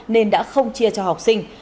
nên đã không chia cho học sinh